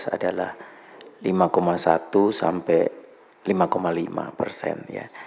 adalah lima satu sampai lima lima persen